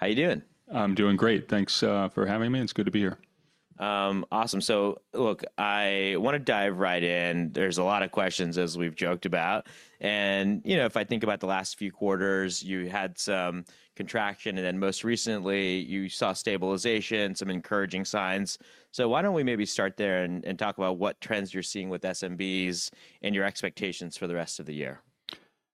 How you doing? I'm doing great. Thanks, for having me. It's good to be here. Awesome. So look, I wanna dive right in. There's a lot of questions, as we've joked about, and, you know, if I think about the last few quarters, you had some contraction, and then most recently, you saw stabilization, some encouraging signs. So why don't we maybe start there and talk about what trends you're seeing with SMBs and your expectations for the rest of the year?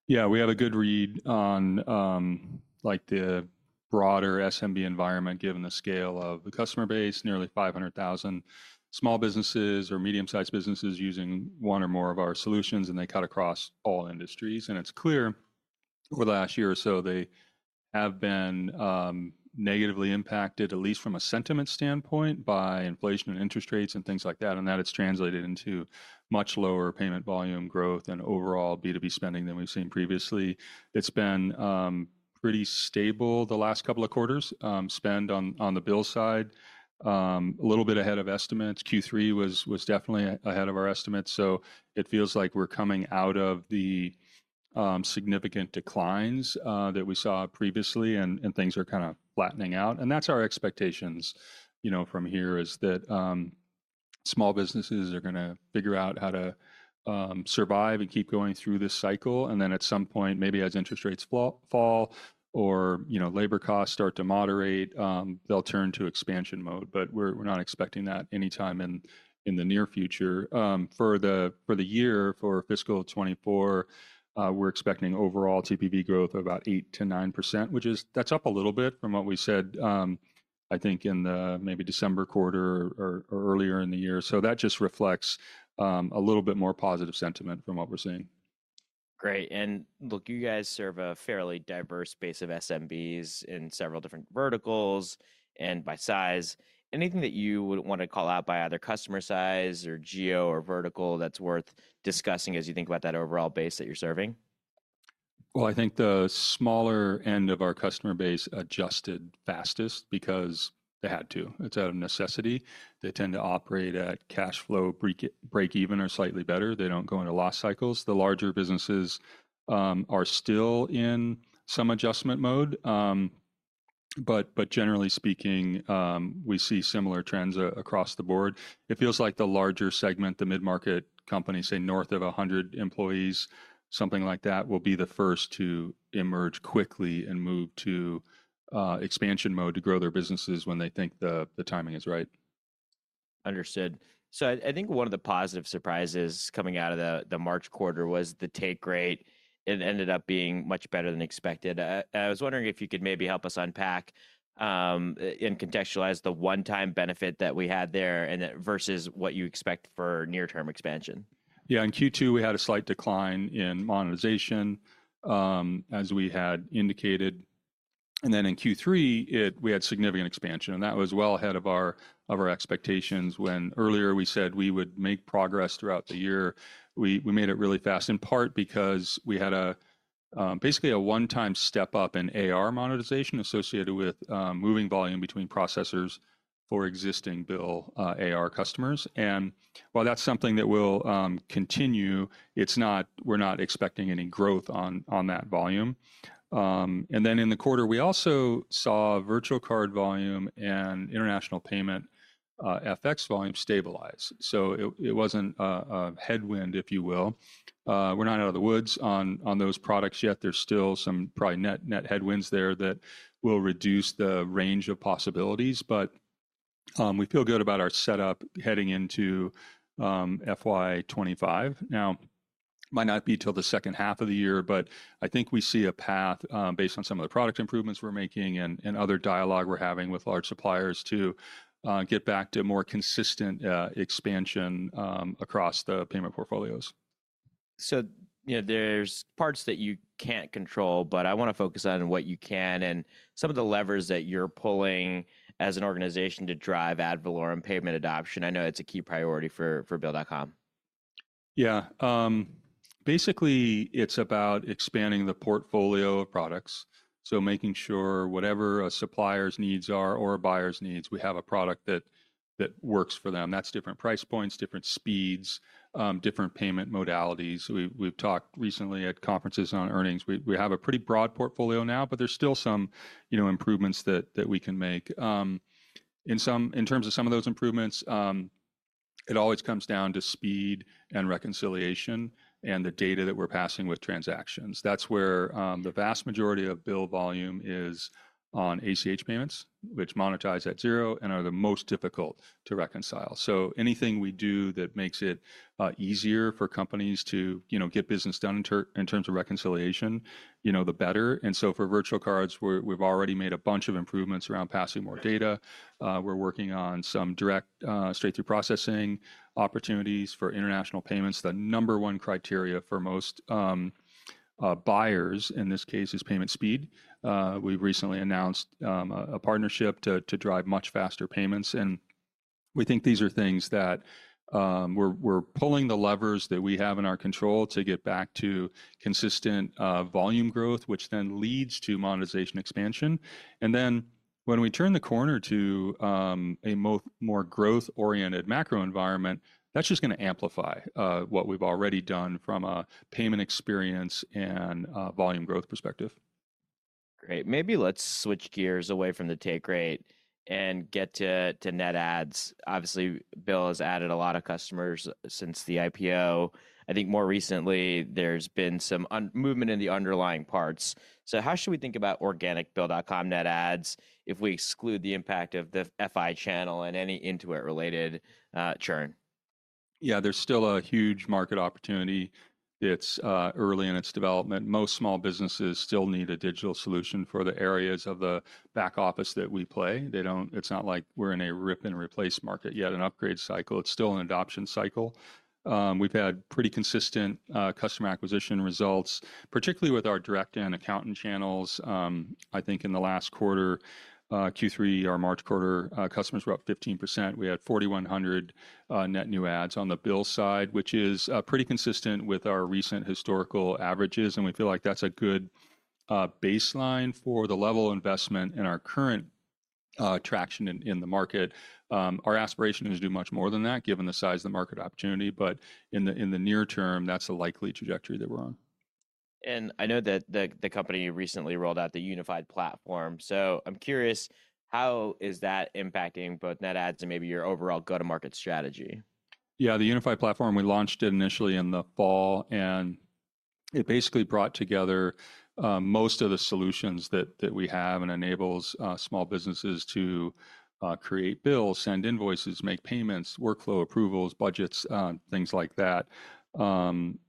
Yeah, we have a good read on, like, the broader SMB environment, given the scale of the customer base, nearly 500,000 small businesses or medium-sized businesses using one or more of our solutions, and they cut across all industries. And it's clear, over the last year or so, they have been negatively impacted, at least from a sentiment standpoint, by inflation and interest rates and things like that, and that it's translated into much lower payment volume growth and overall B2B spending than we've seen previously. It's been pretty stable the last couple of quarters, spend on the BILL side. A little bit ahead of estimates. Q3 was definitely ahead of our estimates, so it feels like we're coming out of the significant declines that we saw previously, and things are kinda flattening out. That's our expectations, you know, from here, is that small businesses are gonna figure out how to survive and keep going through this cycle, and then at some point, maybe as interest rates fall or, you know, labor costs start to moderate, they'll turn to expansion mode. But we're not expecting that anytime in the near future. For the year, for fiscal 2024, we're expecting overall TPV growth of about 8%-9%, which is- that's up a little bit from what we said, I think in the maybe December quarter or earlier in the year. That just reflects a little bit more positive sentiment from what we're seeing. Great, and look, you guys serve a fairly diverse base of SMBs in several different verticals and by size. Anything that you would wanna call out by either customer size or geo or vertical that's worth discussing as you think about that overall base that you're serving? Well, I think the smaller end of our customer base adjusted fastest because they had to. It's out of necessity. They tend to operate at cash flow break-even or slightly better. They don't go into loss cycles. The larger businesses are still in some adjustment mode, but generally speaking, we see similar trends across the board. It feels like the larger segment, the mid-market companies, say, north of 100 employees, something like that, will be the first to emerge quickly and move to expansion mode to grow their businesses when they think the timing is right. Understood. So I think one of the positive surprises coming out of the March quarter was the take rate. It ended up being much better than expected. I was wondering if you could maybe help us unpack and contextualize the one-time benefit that we had there, and then versus what you expect for near-term expansion. Yeah, in Q2, we had a slight decline in monetization, as we had indicated, and then in Q3, we had significant expansion, and that was well ahead of our expectations when earlier we said we would make progress throughout the year. We made it really fast, in part because we had a basically a one-time step up in AR monetization associated with moving volume between processors for existing BILL AR customers. And while that's something that will continue, it's not- we're not expecting any growth on that volume. And then in the quarter, we also saw virtual card volume and international payment FX volume stabilize, so it wasn't a headwind, if you will. We're not out of the woods on those products yet. There's still some probably net, net headwinds there that will reduce the range of possibilities, but we feel good about our setup heading into FY 2025. Now, it might not be till the second half of the year, but I think we see a path based on some of the product improvements we're making and, and other dialogue we're having with large suppliers to get back to a more consistent expansion across the payment portfolios. So, you know, there's parts that you can't control, but I wanna focus on what you can and some of the levers that you're pulling as an organization to drive ad valorem payment adoption. I know it's a key priority for Bill.com. Yeah, basically, it's about expanding the portfolio of products, so making sure whatever a supplier's needs are or a buyer's needs, we have a product that, that works for them. That's different price points, different speeds, different payment modalities. We've talked recently at conferences on earnings. We have a pretty broad portfolio now, but there's still some, you know, improvements that, that we can make. In terms of some of those improvements, it always comes down to speed and reconciliation and the data that we're passing with transactions. That's where the vast majority of BILL volume is on ACH payments, which monetize at zero and are the most difficult to reconcile. So anything we do that makes it easier for companies to, you know, get business done in terms of reconciliation, you know, the better. And so for virtual cards, we've already made a bunch of improvements around passing more data. We're working on some direct, straight-through processing opportunities for international payments. The number one criteria for most buyers in this case is payment speed. We recently announced a partnership to drive much faster payments, and we think these are things that we're pulling the levers that we have in our control to get back to consistent volume growth, which then leads to monetization expansion. And then when we turn the corner to a more growth-oriented macro environment, that's just gonna amplify what we've already done from a payment experience and volume growth perspective. Great. Maybe let's switch gears away from the take rate and get to, to net adds. Obviously, BILL has added a lot of customers since the IPO. I think more recently, there's been some un- movement in the underlying parts. So how should we think about organic Bill.com net adds, if we exclude the impact of the FI channel and any Intuit-related churn? Yeah, there's still a huge market opportunity. It's early in its development. Most small businesses still need a digital solution for the areas of the back office that we play. They don't-- It's not like we're in a rip-and-replace market yet, an upgrade cycle. It's still an adoption cycle. We've had pretty consistent customer acquisition results, particularly with our direct and accountant channels. I think in the last quarter, Q3, our March quarter, customers were up 15%. We had 4,100 net new adds on the BILL side, which is pretty consistent with our recent historical averages, and we feel like that's a good baseline for the level of investment and our current traction in the market. Our aspiration is to do much more than that, given the size of the market opportunity, but in the near term, that's the likely trajectory that we're on. I know that the company recently rolled out the Unified Platform, so I'm curious, how is that impacting both net adds and maybe your overall go-to-market strategy? Yeah, the Unified Platform, we launched it initially in the fall, and it basically brought together most of the solutions that we have and enables small businesses to create bills, send invoices, make payments, workflow approvals, budgets, things like that.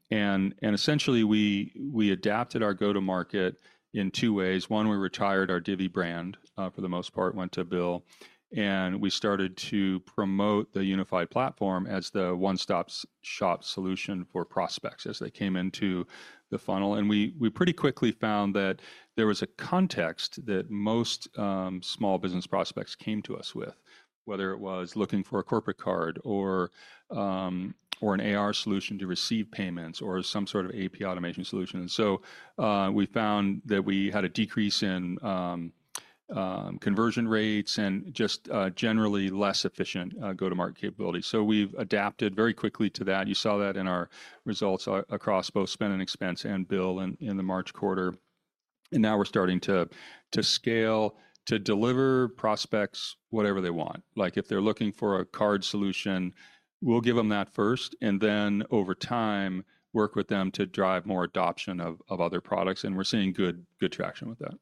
And essentially, we adapted our go-to-market in two ways. One, we retired our Divvy brand for the most part, went to BILL, and we started to promote the Unified Platform as the one-stop shop solution for prospects as they came into the funnel. And we pretty quickly found that there was a context that most small business prospects came to us with, whether it was looking for a corporate card or an AR solution to receive payments or some sort of AP automation solution. So, we found that we had a decrease in conversion rates and just generally less efficient go-to-market capabilities. So we've adapted very quickly to that. You saw that in our results across both Spend & Expense and BILL in the March quarter. And now we're starting to scale, to deliver prospects whatever they want. Like, if they're looking for a card solution, we'll give them that first, and then over time, work with them to drive more adoption of other products, and we're seeing good traction with that.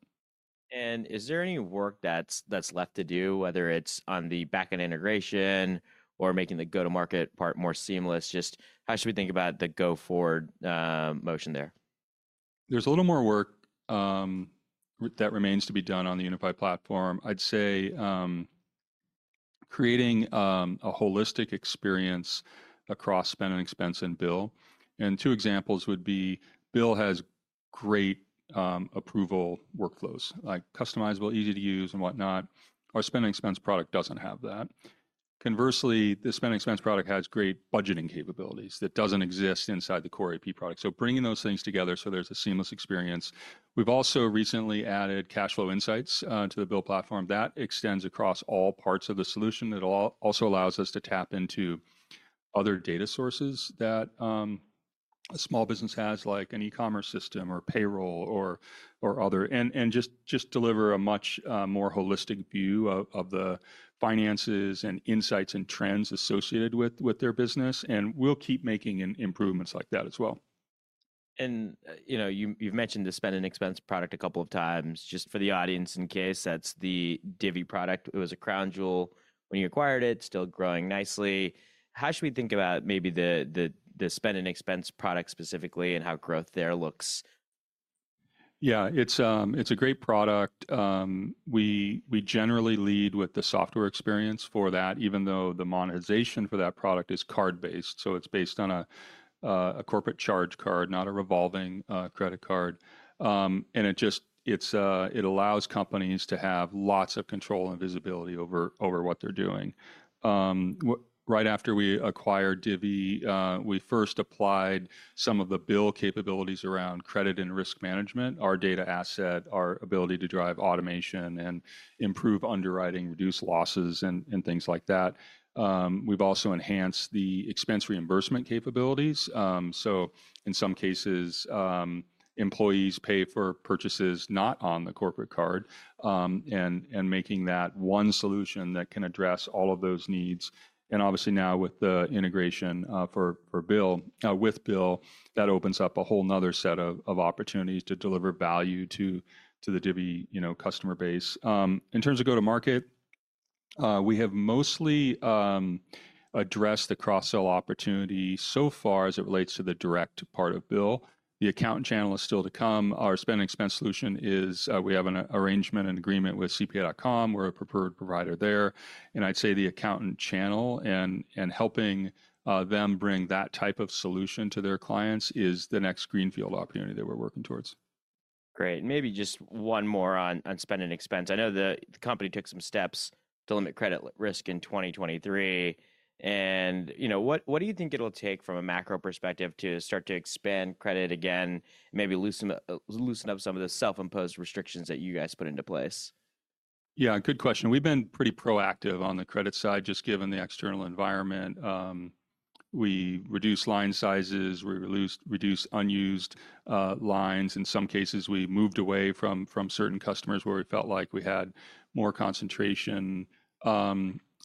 Is there any work that's left to do, whether it's on the back-end integration or making the go-to-market part more seamless? Just how should we think about the go-forward motion there? There's a little more work that remains to be done on the Unified Platform. I'd say creating a holistic experience across Spend & Expense and BILL, and two examples would be BILL has great approval workflows, like customizable, easy to use, and whatnot. Our Spend & Expense product doesn't have that. Conversely, the Spend & Expense product has great budgeting capabilities that doesn't exist inside the core AP product, so bringing those things together so there's a seamless experience. We've also recently added Cash Flow Insights to the BILL platform. That extends across all parts of the solution. It also allows us to tap into other data sources that a small business has, like an e-commerce system or payroll or other, and just deliver a much more holistic view of the finances and insights and trends associated with their business, and we'll keep making improvements like that as well. You know, you've mentioned the Spend & Expense product a couple of times. Just for the audience, in case, that's the Divvy product. It was a crown jewel when you acquired it, still growing nicely. How should we think about maybe the Spend & Expense product specifically and how growth there looks? Yeah, it's a great product. We generally lead with the software experience for that, even though the monetization for that product is card-based, so it's based on a corporate charge card, not a revolving credit card. And it just, it's, it allows companies to have lots of control and visibility over what they're doing. Right after we acquired Divvy, we first applied some of the BILL capabilities around credit and risk management, our data asset, our ability to drive automation and improve underwriting, reduce losses, and things like that. We've also enhanced the expense reimbursement capabilities. So in some cases, employees pay for purchases not on the corporate card, and making that one solution that can address all of those needs. And obviously, now with the integration, for BILL with BILL, that opens up a whole nother set of opportunities to deliver value to the Divvy, you know, customer base. In terms of go-to-market, we have mostly addressed the cross-sell opportunity so far as it relates to the direct part of BILL. The accountant channel is still to come. Our Spend & Expense solution is, we have an arrangement and agreement with CPA.com. We're a preferred provider there, and I'd say the accountant channel and helping them bring that type of solution to their clients is the next greenfield opportunity that we're working towards. Great, and maybe just one more on Spend & Expense. I know the company took some steps to limit credit risk in 2023, and, you know, what do you think it'll take from a macro perspective to start to expand credit again, maybe loosen up some of the self-imposed restrictions that you guys put into place?... Yeah, good question. We've been pretty proactive on the credit side, just given the external environment. We reduced line sizes, we reduced unused lines. In some cases, we moved away from certain customers where we felt like we had more concentration.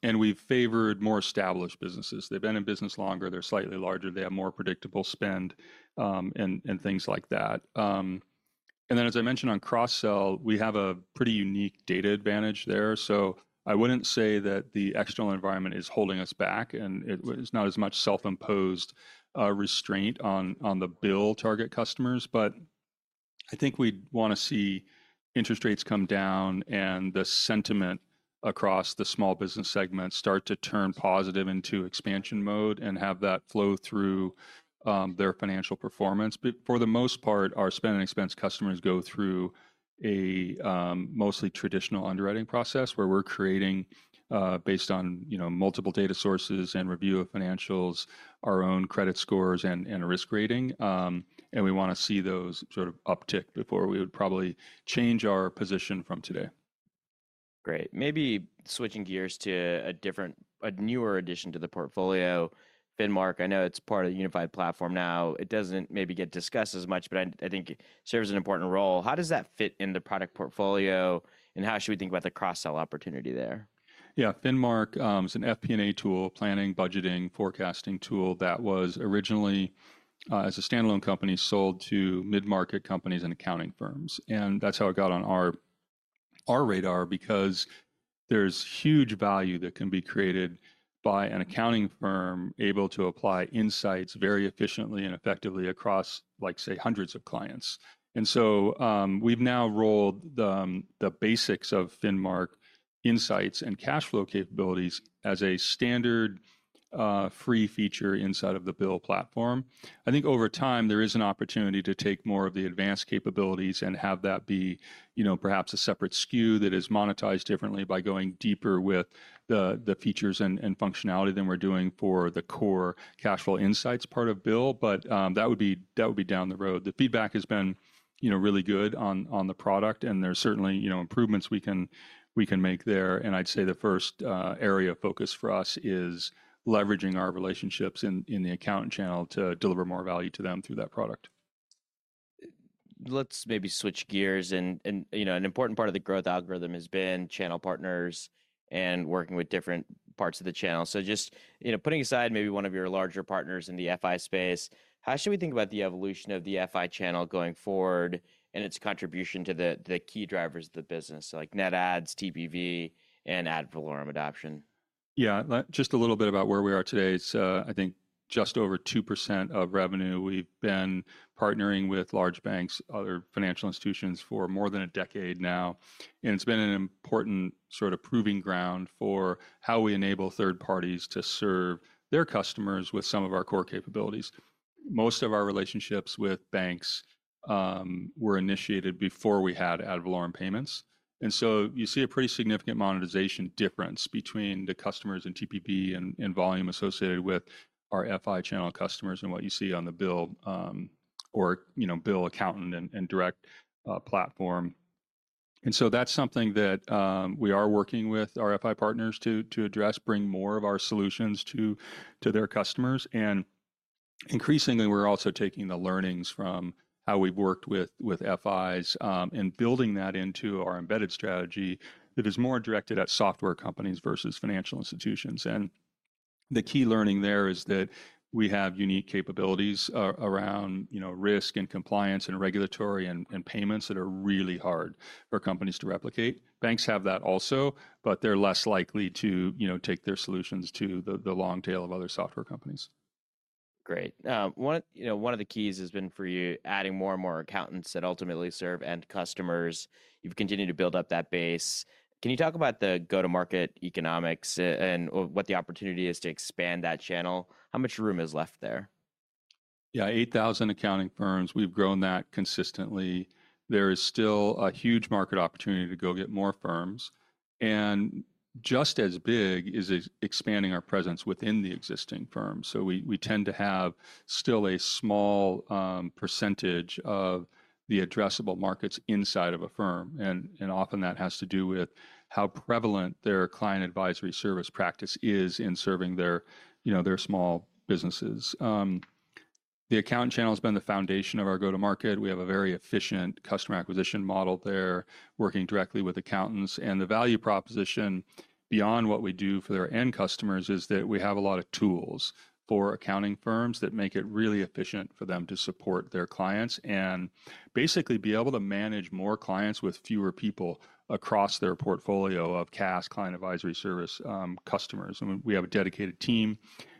And we've favored more established businesses. They've been in business longer, they're slightly larger, they have more predictable spend, and things like that. And then, as I mentioned on cross-sell, we have a pretty unique data advantage there, so I wouldn't say that the external environment is holding us back, and it's not as much self-imposed restraint on the BILL target customers. But I think we'd wanna see interest rates come down and the sentiment across the small business segment start to turn positive into expansion mode and have that flow through their financial performance. But for the most part, our Spend & Expense customers go through a mostly traditional underwriting process, where we're creating, based on, you know, multiple data sources and review of financials, our own credit scores and a risk rating. And we wanna see those sort of uptick before we would probably change our position from today. Great. Maybe switching gears to a different, a newer addition to the portfolio, Finmark. I know it's part of the Unified Platform now. It doesn't maybe get discussed as much, but I, I think it serves an important role. How does that fit in the product portfolio, and how should we think about the cross-sell opportunity there? Yeah. Finmark, is an FP&A tool, planning, budgeting, forecasting tool that was originally, as a standalone company, sold to mid-market companies and accounting firms. And that's how it got on our, our radar, because there's huge value that can be created by an accounting firm able to apply insights very efficiently and effectively across, like, say, hundreds of clients. And so, we've now rolled the, the basics of Finmark insights and cash flow capabilities as a standard, free feature inside of the BILL platform. I think over time, there is an opportunity to take more of the advanced capabilities and have that be, you know, perhaps a separate SKU that is monetized differently by going deeper with the features and functionality than we're doing for the core Cash Flow Insights part of BILL, but that would be down the road. The feedback has been, you know, really good on the product, and there's certainly, you know, improvements we can make there. I'd say the first area of focus for us is leveraging our relationships in the accounting channel to deliver more value to them through that product. Let's maybe switch gears, and you know, an important part of the growth algorithm has been channel partners and working with different parts of the channel. So just, you know, putting aside maybe one of your larger partners in the FI space, how should we think about the evolution of the FI channel going forward and its contribution to the key drivers of the business, like net adds, TPV, and ad valorem adoption? Yeah. Just a little bit about where we are today. It's, I think, just over 2% of revenue. We've been partnering with large banks, other financial institutions, for more than a decade now, and it's been an important sort of proving ground for how we enable third parties to serve their customers with some of our core capabilities. Most of our relationships with banks were initiated before we had Ad Valorem payments, and so you see a pretty significant monetization difference between the customers and TPV and volume associated with our FI channel customers and what you see on the BILL, or, you know, BILL accountant and direct platform. And so that's something that we are working with our FI partners to address, bring more of our solutions to their customers. Increasingly, we're also taking the learnings from how we've worked with, with FIs, and building that into our embedded strategy that is more directed at software companies versus financial institutions. The key learning there is that we have unique capabilities around, you know, risk and compliance and regulatory and, and payments that are really hard for companies to replicate. Banks have that also, but they're less likely to, you know, take their solutions to the, the long tail of other software companies. Great. Now, one of, you know, one of the keys has been for you adding more and more accountants that ultimately serve end customers. You've continued to build up that base. Can you talk about the go-to-market economics and, or what the opportunity is to expand that channel? How much room is left there? Yeah, 8,000 accounting firms, we've grown that consistently. There is still a huge market opportunity to go get more firms, and just as big is expanding our presence within the existing firms. So we tend to have still a small percentage of the addressable markets inside of a firm, and often that has to do with how prevalent their client advisory service practice is in serving their, you know, their small businesses. The accounting channel has been the foundation of our go-to-market. We have a very efficient customer acquisition model there, working directly with accountants, and the value proposition beyond what we do for their end customers is that we have a lot of tools for accounting firms that make it really efficient for them to support their clients and basically be able to manage more clients with fewer people across their portfolio of CAS, Client Advisory Services, customers. And we have a dedicated team,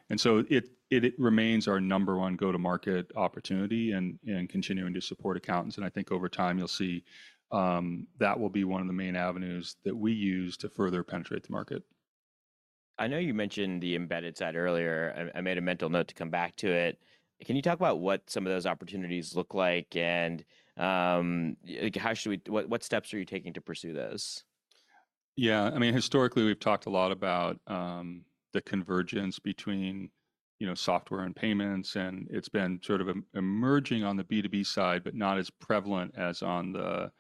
and so it remains our number-one go-to-market opportunity, and continuing to support accountants. And I think over time you'll see that will be one of the main avenues that we use to further penetrate the market. I know you mentioned the embedded side earlier. I made a mental note to come back to it. Can you talk about what some of those opportunities look like, and, like how should we... What steps are you taking to pursue those? Yeah. I mean, historically, we've talked a lot about the convergence between—you know, software and payments, and it's been sort of emerging on the B2B side, but not as prevalent as on the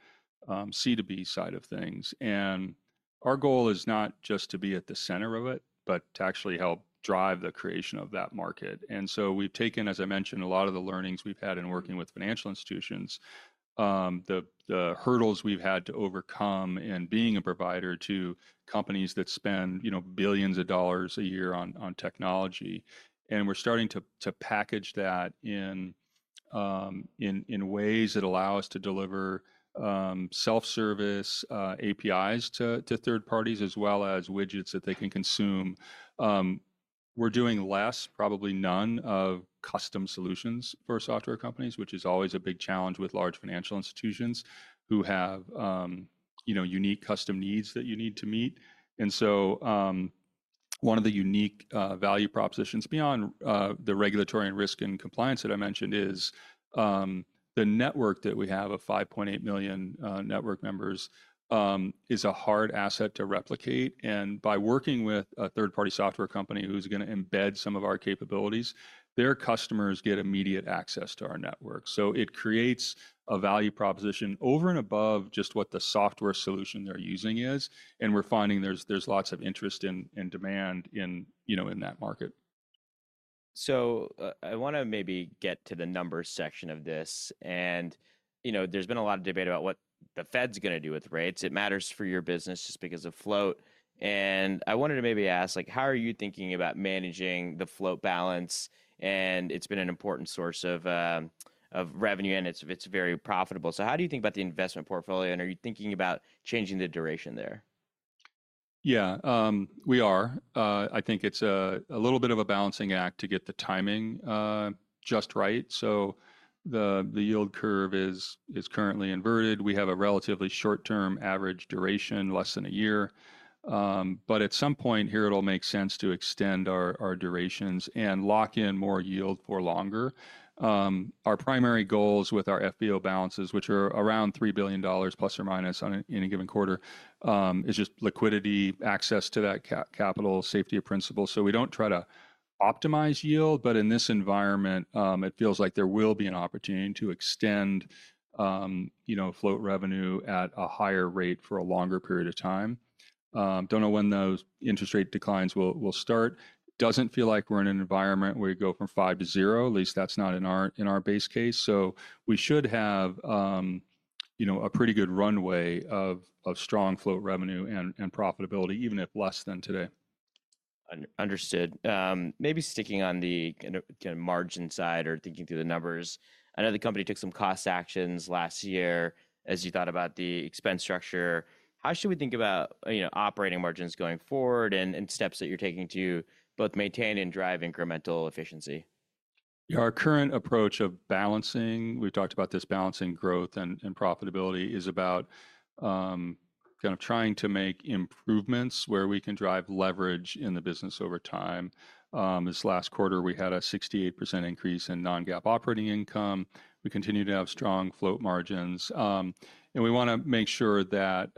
C2B side of things. And our goal is not just to be at the center of it, but to actually help drive the creation of that market. And so we've taken, as I mentioned, a lot of the learnings we've had in working with financial institutions, the hurdles we've had to overcome in being a provider to companies that spend, you know, billions of dollars a year on technology, and we're starting to package that in ways that allow us to deliver self-service APIs to third parties, as well as widgets that they can consume. We're doing less, probably none, of custom solutions for software companies, which is always a big challenge with large financial institutions, who have, you know, unique custom needs that you need to meet. And so, one of the unique value propositions beyond the regulatory and risk and compliance that I mentioned is the network that we have of 5.8 million network members is a hard asset to replicate, and by working with a third-party software company who's gonna embed some of our capabilities, their customers get immediate access to our network. So it creates a value proposition over and above just what the software solution they're using is, and we're finding there's lots of interest and demand in, you know, in that market. So, I wanna maybe get to the numbers section of this, and, you know, there's been a lot of debate about what the Fed's gonna do with rates. It matters for your business just because of float, and I wanted to maybe ask, like, how are you thinking about managing the float balance? And it's been an important source of, of revenue, and it's, it's very profitable. So how do you think about the investment portfolio, and are you thinking about changing the duration there? Yeah, we are. I think it's a little bit of a balancing act to get the timing just right. So the yield curve is currently inverted. We have a relatively short-term average duration, less than a year. But at some point here, it'll make sense to extend our durations and lock in more yield for longer. Our primary goals with our FBO balances, which are around $3 billion, plus or minus on any given quarter, is just liquidity, access to that capital, safety of principal. So we don't try to optimize yield, but in this environment, it feels like there will be an opportunity to extend, you know, float revenue at a higher rate for a longer period of time. Don't know when those interest rate declines will start. Doesn't feel like we're in an environment where you go from 5 to 0, at least that's not in our base case. So we should have, you know, a pretty good runway of strong float revenue and profitability, even if less than today. Understood. Maybe sticking on the kind of margin side or thinking through the numbers, I know the company took some cost actions last year as you thought about the expense structure. How should we think about, you know, operating margins going forward, and steps that you're taking to both maintain and drive incremental efficiency? Our current approach of balancing, we've talked about this balancing growth and profitability, is about, kind of trying to make improvements where we can drive leverage in the business over time. This last quarter, we had a 68% increase in non-GAAP operating income. We continue to have strong float margins. And we wanna make sure that,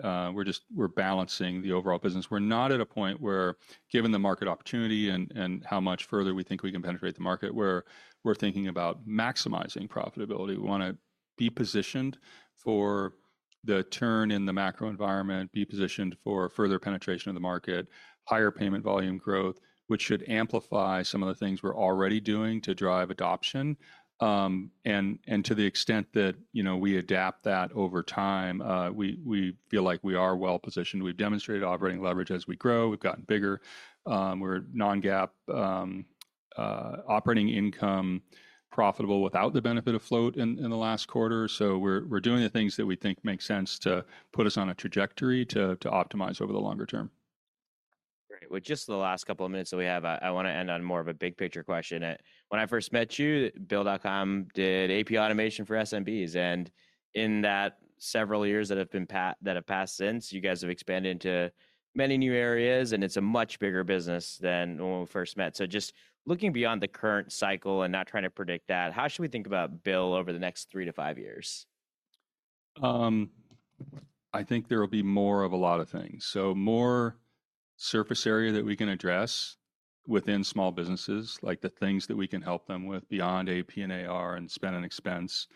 we're balancing the overall business. We're not at a point where, given the market opportunity and how much further we think we can penetrate the market, where we're thinking about maximizing profitability. We wanna be positioned for the turn in the macro environment, be positioned for further penetration of the market, higher payment volume growth, which should amplify some of the things we're already doing to drive adoption. And to the extent that, you know, we adapt that over time, we feel like we are well-positioned. We've demonstrated operating leverage as we grow. We've gotten bigger. We're non-GAAP operating income profitable without the benefit of float in the last quarter. So we're doing the things that we think make sense to put us on a trajectory to optimize over the longer term. Great. With just the last couple of minutes that we have, I wanna end on more of a big-picture question. When I first met you, Bill.com did AP automation for SMBs, and in that several years that have passed since, you guys have expanded into many new areas, and it's a much bigger business than when we first met. So just looking beyond the current cycle and not trying to predict that, how should we think about BILL over the next three to five years? I think there will be more of a lot of things. So more surface area that we can address within small businesses, like the things that we can help them with beyond AP and AR and spend and expense.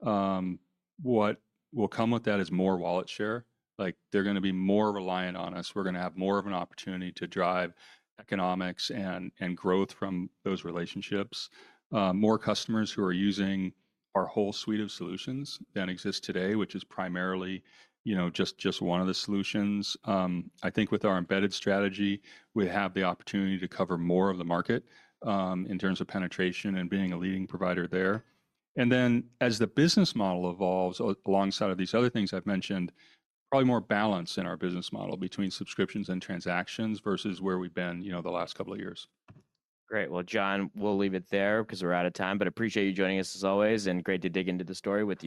What will come with that is more wallet share. Like, they're gonna be more reliant on us. We're gonna have more of an opportunity to drive economics and, and growth from those relationships. More customers who are using our whole suite of solutions than exist today, which is primarily, you know, just, just one of the solutions. I think with our embedded strategy, we have the opportunity to cover more of the market, in terms of penetration and being a leading provider there. And then, as the business model evolves, alongside of these other things I've mentioned, probably more balance in our business model between subscriptions and transactions versus where we've been, you know, the last couple of years. Great. Well, John, we'll leave it there because we're out of time, but appreciate you joining us as always, and great to dig into the story with you.